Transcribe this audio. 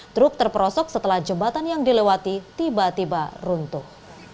truk terperosok setelah jembatan yang dilewati tiba tiba runtuh